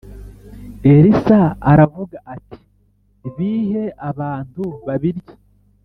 Elisa aravuga ati bihe abantu babirye